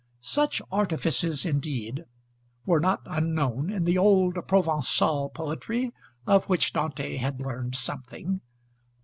Such artifices, indeed, were not unknown in the old Provençal poetry of which Dante had learned something.